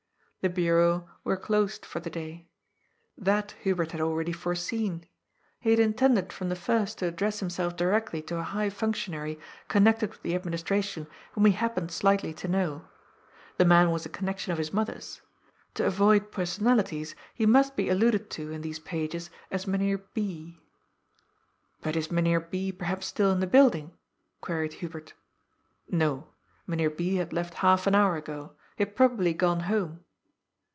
The Bureaux were closed for the day. That Hubert had already foreseen. He had intended from the first to address himself directly to a high functiouary, connected with the administration, whom he happened slightly to know. The man was a connection of his mother's. To avoid person alities, he must be alluded to in these pages as Mjmheer B. But IB Mynheer B. perhaps still in the building?" queried Hubert No ; Mynheer B. had left half an hour ago. He had probably gone home.